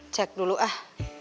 cek dulu ah